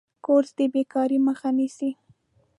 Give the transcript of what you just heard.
کورس د بیکارۍ مخه نیسي.